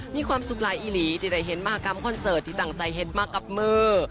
มีความสุขหลายอีหลีที่ได้เห็นมหากรรมคอนเสิร์ตที่ตั้งใจเห็นมากับมือ